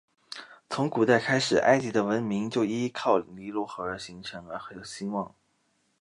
从古代开始埃及的文明就依靠尼罗河而形成和兴旺。